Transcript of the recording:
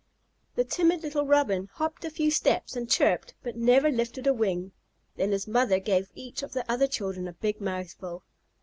The timid little Robin hopped a few steps and chirped but never lifted a wing. Then his mother gave each of the other children a big mouthful.